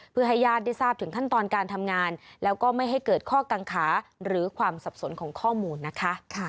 เพื่อให้ญาติได้ทราบถึงขั้นตอนการทำงานแล้วก็ไม่ให้เกิดข้อกังขาหรือความสับสนของข้อมูลนะคะ